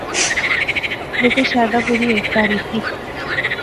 بلکن شاردا پوری ہیک تاریخ دی